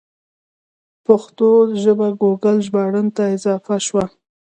پښتو ژبه ګوګل ژباړن ته اضافه شوه.